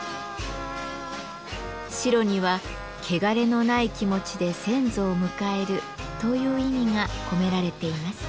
白には「けがれのない気持ちで先祖を迎える」という意味が込められています。